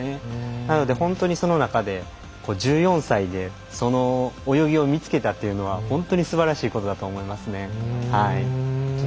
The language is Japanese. なので本当にその中で１４歳でその泳ぎを見つけたというのは本当にすばらしいことだと思います。